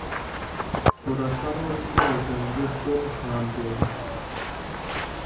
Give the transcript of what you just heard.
Urasa n'ubusore bwanjye bwo hambere